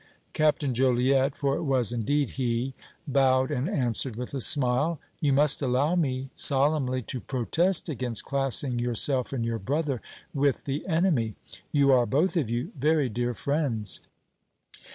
Captain Joliette, for it was, indeed, he, bowed and answered with a smile: "You must allow me solemnly to protest against classing yourself and your brother with the enemy! You are, both of you, very dear friends!"